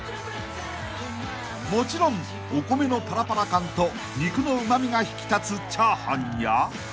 ［もちろんお米のパラパラ感と肉のうま味が引き立つ］